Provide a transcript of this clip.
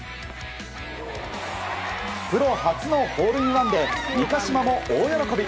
プロ初のホールインワンで三ヶ島も大喜び。